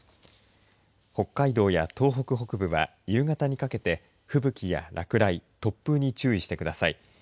北海道や東北北部は夕方にかけて吹雪や落雷突風に注意してください。